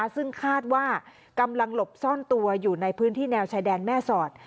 ซึ่งคาดว่ากำลังหลบซ่อนตัวอยู่ในพื้นที่แนวชายแดนแม่สอด